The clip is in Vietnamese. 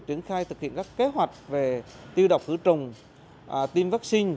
triển khai thực hiện các kế hoạch về tiêu độc khử trùng tiêm vaccine